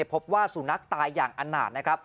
พบว่าสูนนักตายอย่างอันหนาดนะครับ